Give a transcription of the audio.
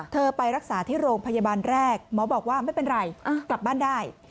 ไปรักษาที่โรงพยาบาลแรกหมอบอกว่าไม่เป็นไรกลับบ้านได้